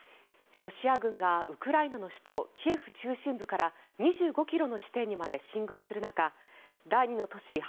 ロシア軍がウクライナの首都キエフ中心部から２５ｋｍの地点にまで進軍する中第２の都市